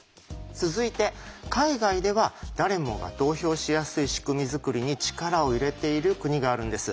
続いて海外では誰もが投票しやすい仕組み作りに力を入れている国があるんです。